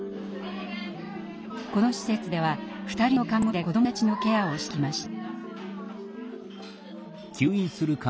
この施設では２人の看護師で子どもたちのケアをしてきました。